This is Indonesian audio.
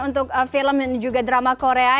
untuk film dan juga drama korea